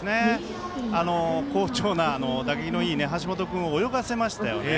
好調な打撃のいい橋本君を泳がせましたよね。